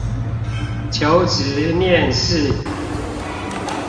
求職面試